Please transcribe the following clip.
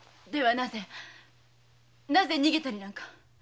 ではなぜなぜ逃げたりなんか？